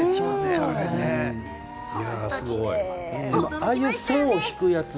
ああいう線を引くやつ